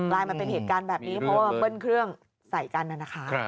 ลายมาเป็นเหตุการณ์แบบนี้เพราะว่าเบิ้ลเครื่องใส่กันนะคะ